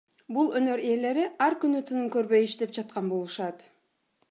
Бул өнөр ээлери ар күнү тыным көрбөй иштеп жаткан болушат.